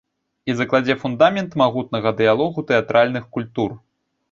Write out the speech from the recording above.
І закладзе фундамент магутнага дыялогу тэатральных культур.